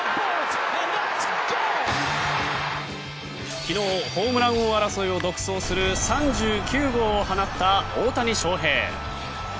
昨日、ホームラン王争いを独走する３９号を放った大谷翔平。